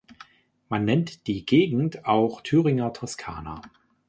Man nennt die Gegend auch Thüringer Toskana.